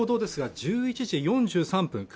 １１時４３分